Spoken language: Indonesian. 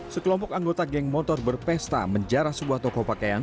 sekelompok anggota geng motor berpesta menjarah sebuah toko pakaian